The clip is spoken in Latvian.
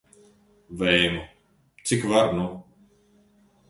Vēmu. Cik var, nu?